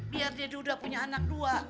biar dia udah punya anak dua